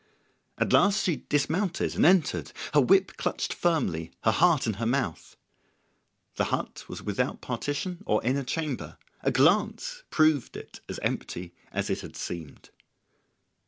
At last she dismounted and entered, her whip clutched firmly, her heart in her mouth. The hut was without partition or inner chamber. A glance proved it as empty as it had seemed.